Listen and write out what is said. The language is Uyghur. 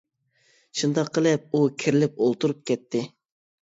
شۇنداق قىلىپ ئۇ كېرىلىپ ئولتۇرۇپ كەتتى.